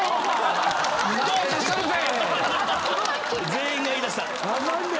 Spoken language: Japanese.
全員が言いだした。